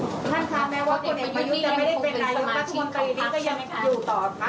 แล้วท่านทุกคนปีนี้ก็ยังอยู่ต่อ